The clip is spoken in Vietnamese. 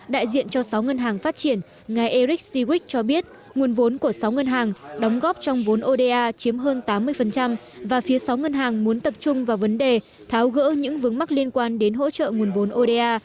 đại diện cho sáu ngân hàng phát triển ngài eric stwick cho biết nguồn vốn của sáu ngân hàng đóng góp trong vốn oda chiếm hơn tám mươi và phía sáu ngân hàng muốn tập trung vào vấn đề tháo gỡ những vướng mắc liên quan đến hỗ trợ nguồn vốn oda